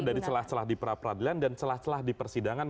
dari celah celah di pra peradilan dan celah celah di persidangan